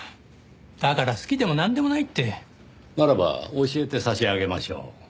だから好きでもなんでもないって。ならば教えて差し上げましょう。